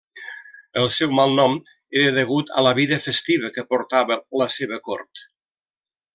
El seu malnom era degut a la vida festiva que portava la seva cort.